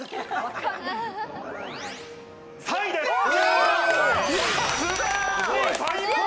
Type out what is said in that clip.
３位です。